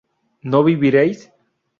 ¿no viviréis?